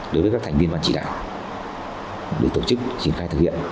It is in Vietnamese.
đối với các thành viên ban chỉ đạo để tổ chức triển khai thực hiện